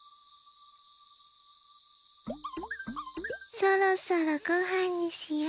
そろそろごはんにしよう。